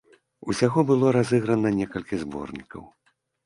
Усяго было разыграна некалькі зборнікаў.